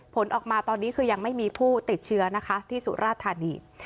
ผลออกมาตอนนี้คือยังไม่มีผู้ติดเชื้อนะคะที่สุราธานี